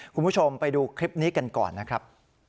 คุณผู้ชมไปดูคลิปนี้กันก่อนนะครับ